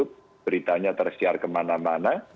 beritanya tersiar kemana mana